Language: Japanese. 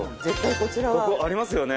ここありますよね。